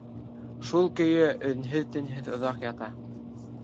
Шул көйө өнһөҙ-тынһыҙ оҙаҡ ята.